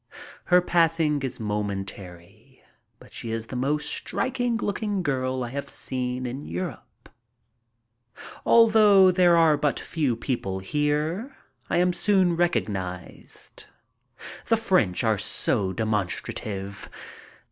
Her passing is momentary, but she is the most striking looking girl I have seen in Europe. Although there are but few people here, I am soon recog nized. The French are so demonstrative.